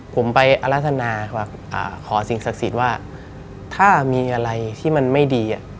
ผมไปอรัฒนาขอสิ่งศักดิ์สิทธิ์ว่าถ้ามีอะไรที่มันไม่ดี